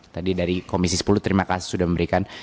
tadi dari komisi sepuluh terima kasih sudah memberikan